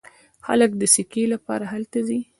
خلک د سکي لپاره هلته ځي.